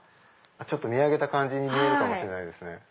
見上げた感じに見えるかもしれないですね。